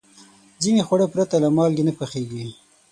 ځینې خواړه پرته له مالګې نه پخېږي.